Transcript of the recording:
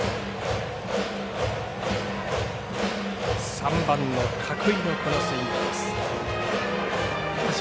３番の角井のこのスイングです。